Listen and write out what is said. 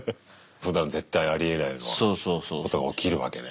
ふだん絶対ありえないことが起きるわけね。